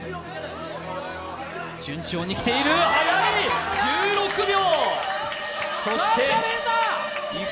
順調に来ている、早い、１６秒。